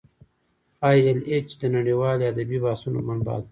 ای ایل ایچ د نړیوالو ادبي بحثونو منبع ده.